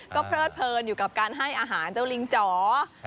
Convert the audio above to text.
ก็เพลิดเพลินอยู่กับการให้อาหารเจ้าลิงจ๋อ